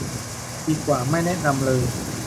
ดีกว่าไม่แนะนำเลย